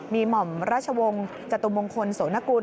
มีหม่อมราชวงศ์จตุมงคลโสนกุล